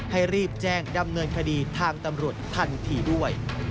ให้รีบแจ้งดำเนินคดีทางตำรวจทันทีด้วย